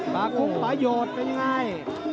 ประคุกประโยชน์เป็นยังไง